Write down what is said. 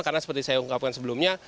karena seperti saya ungkapkan sebelumnya